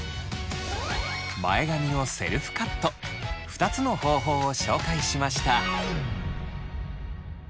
前髪のセルフカット２つの方法を紹介しました。